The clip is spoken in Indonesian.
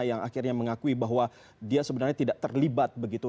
yang akhirnya mengakui bahwa dia sebenarnya tidak terlibat begitu